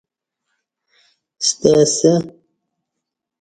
ستہ آئی سہ؟